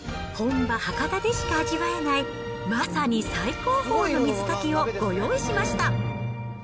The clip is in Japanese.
本場、博多でしか味わえない、まさに最高峰の水炊きをご用意しました。